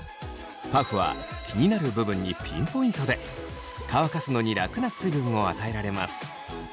パフは気になる部分にピンポイントで乾かすのに楽な水分を与えられます。